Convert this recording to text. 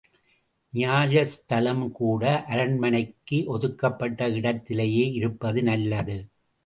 நியாயஸ்தலம் கூட அரண்மனைக்கு ஒதுக்கப்பட்ட இடத்திலேயே இருப்பது நல்லது.